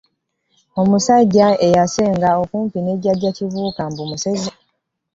Omusajja eyasenga okumpi ne jjajja Kibuuka mbu musezi.